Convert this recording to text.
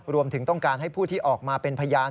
รวมถึงต้องการให้ผู้ที่ออกมาเป็นพยาน